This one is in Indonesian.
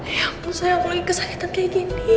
ya ampun sayang aku lagi kesakitan kayak gini